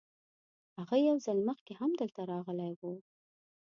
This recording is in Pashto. هغه یو ځل مخکې هم دلته راغلی و.